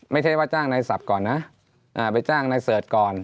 ไม่ใช่ว่าจ้างนายศัพท์ก่อนนะไปจ้างนายเสิร์ชก่อน